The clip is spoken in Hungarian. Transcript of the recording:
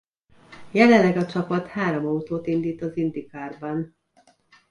Jelenleg a csapat három autót indít az IndyCarban.